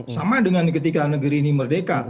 sama dengan ketika negeri ini merdeka